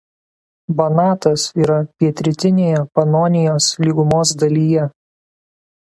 Banatas yra pietrytinėje Panonijos lygumos dalyje.